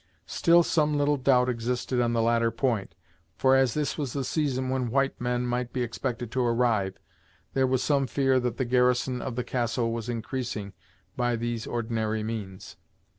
Still some little doubt existed on the latter point, for, as this was the season when white men might be expected to arrive, there was some fear that the garrison of the castle was increasing by these ordinary means.